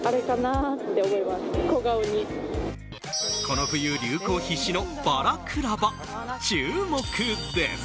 この冬、流行必至のバラクラバ注目です。